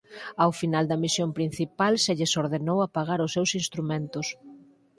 Ao final da misión principal se lles ordenou apagar os seus instrumentos.